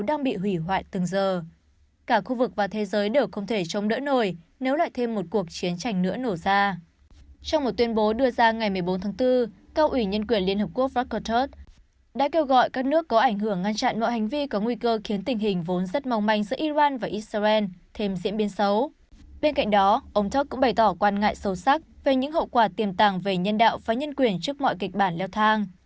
ông guterres đã đảm bảo lệnh ngừng bắn nhân đạo và nhân quyền trước mọi kịch bản leo thang